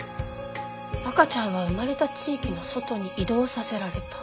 赤ちゃんは産まれた地域の外に移動させられた。